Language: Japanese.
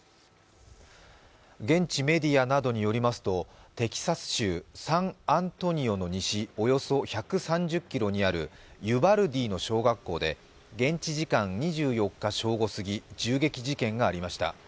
現地メディアなどによりますとテキサス州サンアントニオの西およそ１３０ｋｍにあるユバルディの小学校で減痔時間２４日正午過ぎ、銃撃事件がありました。